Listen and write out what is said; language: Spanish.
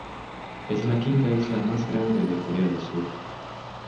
Es la quinta isla más grande de Corea del Sur.